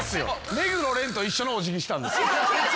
目黒蓮と一緒のお辞儀したんです。